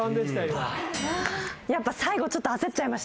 やっぱ最後ちょっと焦っちゃいました。